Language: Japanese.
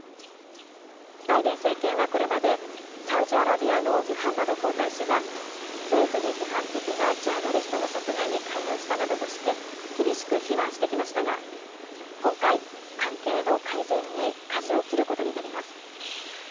バイデン政権はこれまで、サウジアラビアのムハンマド皇太子が、政府に批判的なジャーナリストの殺害に関与したなどとして、厳しく非難してきましたが、今回、関係の改善にかじを切ることになります。